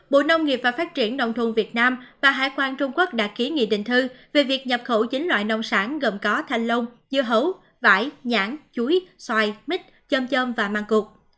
bộ nông nghiệp và phát triển nông thôn việt nam và hải quan trung quốc đã ký nghị định thư về việc nhập khẩu chín loại nông sản gồm có thanh lông dưa hấu vải nhãn chuối xoài mít chôm chôm và mang cục